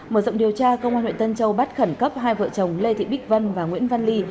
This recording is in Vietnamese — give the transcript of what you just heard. mở rộng điều tra công an huyện tân châu bắt khẩn cấp hai vợ chồng lê thị bích vân và nguyễn văn ly